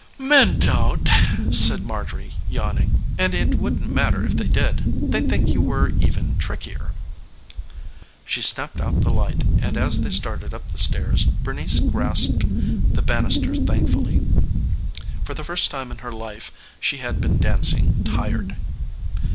"Men don't," said Marjorie, yawning, "and it wouldn't matter if they did they'd think you were even trickier." She snapped out the light, and as they started up the stairs Bernice grasped the banister thankfully. For the first time in her life she had been danced tired.